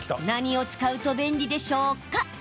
何を使うと便利でしょうか？